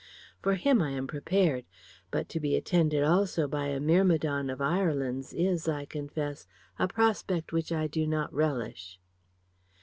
For him I am prepared; but to be attended also by a myrmidon of Ireland's is, I confess, a prospect which I do not relish."